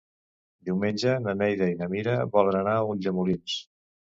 Diumenge na Neida i na Mira volen anar a Ulldemolins.